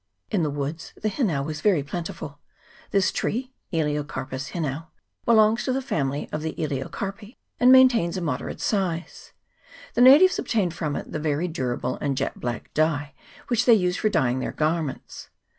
In the woods the hinau was very plenti ful. This tree (Elseocarpus hinau) belongs to the family of the Elseocarpese, and attains a moderate size. The natives obtain from it the very durable and jet black dye which they use for dyeing their garments.